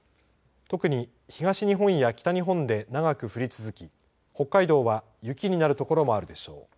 特に東日本や北日本で長く降り続き北海道は雪になる所もあるでしょう。